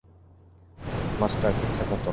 Master, কিচ্ছা খতম।